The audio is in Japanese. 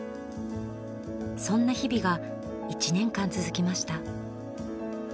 そんな日々が１年間続きました。